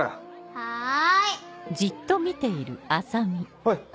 はい。